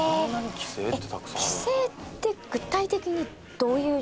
寄生って具体的にどういう状況？